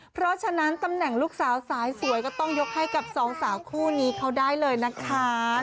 เพราะฉะนั้นตำแหน่งลูกสาวสายสวยก็ต้องยกให้กับสองสาวคู่นี้เขาได้เลยนะคะ